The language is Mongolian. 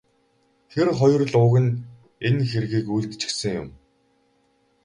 Тэр хоёр л уг нь энэ хэргийг үйлдчихсэн юм.